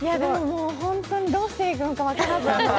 本当にどうしていいか分からず。